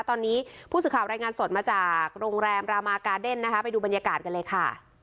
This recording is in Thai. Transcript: ตอนนี้ผู้สื่อข่าวรายงานสดมาจากโรงแรมรามากาเดนนะคะไปดูบรรยากาศกันเลยค่ะ